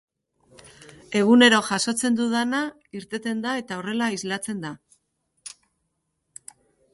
Egunero jasotzen dudana, irteten da eta horrela islatzen da.